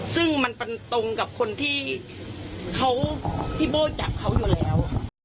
ซึ่งมันตรงกับคนที่เขาพี่โบ้จับเขาอยู่แล้ว